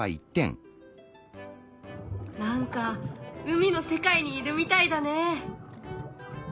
何か海の世界にいるみたいだね！